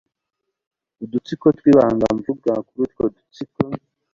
udutsiko tw'ibanga mvuga kuri utwo dutsiko